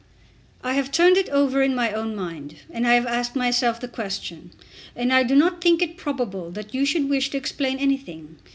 "I have turned it over in my own mind, and I have asked myself the question, and I do not think it probable that you should wish to explain anything.